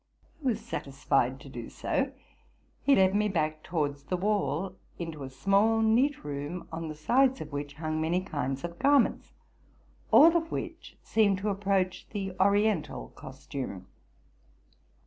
I was satisfied to do so: he led me back towards the wall into a small, neat RELATING TO MY LIFE. 47 room, on the sides of which hung many kinds of garments, all of which seemed to approach the Oriental costume.